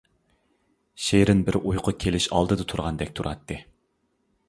شېرىن بىر ئۇيقۇ كېلىش ئالدىدا تۇرغاندەك تۇراتتى.